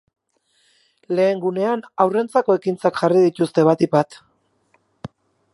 Lehen gunean haurrentzako ekintzak jarri dituzte batik bat.